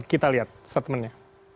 kita lihat statmennya